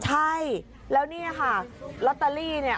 ใช่แล้วเนี่ยค่ะลอตเตอรี่เนี่ย